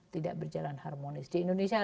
tidak berjalan harmonis di indonesia